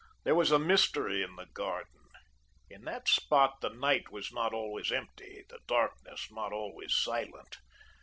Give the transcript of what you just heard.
There was a mystery in the garden. In that spot the night was not always empty, the darkness not always silent.